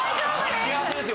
幸せですよ